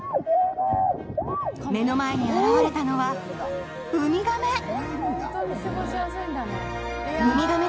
目の前に現れたのはウミガメ。